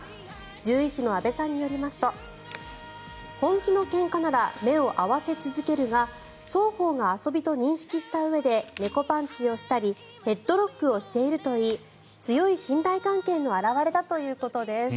獣医師の阿部さんによりますと本気のけんかなら目を合わせ続けるが双方が遊びと認識したうえで猫パンチをしたりヘッドロックをしているといい強い信頼関係の表れだということです。